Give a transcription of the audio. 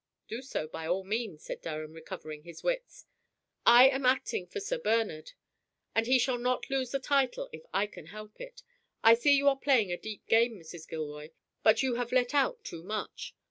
"Do so by all means," said Durham, recovering his wits. "I am acting for Sir Bernard, and he shall not lose the title if I can help it. I see you are playing a deep game, Mrs. Gilroy, but you have let out too much.